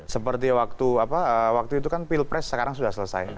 seperti waktu itu kan pilpres sekarang sudah selesai